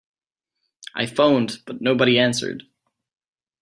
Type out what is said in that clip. I phoned but nobody answered.